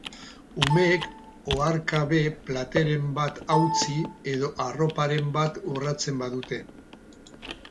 Umeek oharkabe plateren bat hautsi edo arroparen bat urratzen badute.